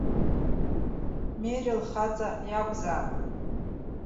Мери лхаҵа иакәзаап.